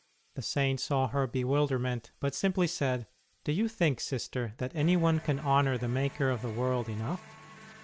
The Saint saw her bewilder ment, but simply said, " Do you think, Sister, that anyone can honour the Maker of the world enough